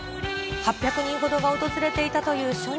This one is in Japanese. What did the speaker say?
８００人ほどが訪れていたという初日。